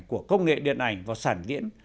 của công nghệ điện ảnh và sản diễn